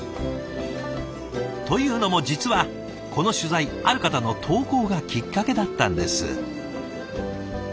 というのも実はこの取材ある方の投稿がきっかけだったんです。